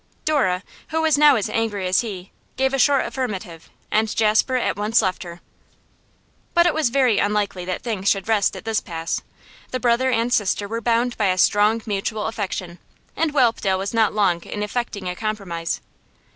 Dora, who was now as angry as he, gave a short affirmative, and Jasper at once left her. But it was very unlikely that things should rest at this pass. The brother and sister were bound by a strong mutual affection, and Whelpdale was not long in effecting a compromise.